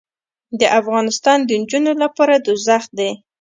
دافغانستان د نجونو لپاره دوزخ دې